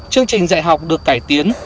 chương trình dạy học được cải tiến